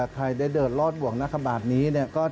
ใครได้เดินรอดบ่วงหน้าขบาดนี้